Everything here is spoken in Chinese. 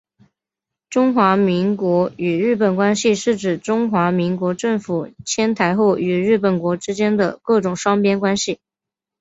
中华民国与日本关系是指中华民国政府迁台后与日本国之间的各种双边关系。